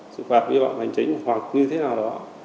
xử phạt vi phạm hành chính hoặc như thế nào đó